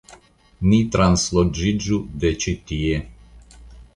Ni transloĝiĝu de ĉi tie.